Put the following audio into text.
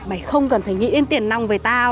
mày không cần phải nghĩ đến tiền nòng về tao